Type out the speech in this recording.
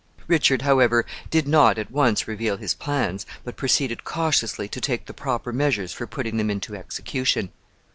Richard, however, did not at once reveal his plans, but proceeded cautiously to take the proper measures for putting them into execution.